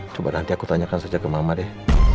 coba nanti aku tanyakan saja ke mama deh